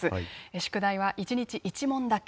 宿題は１日１問だけ。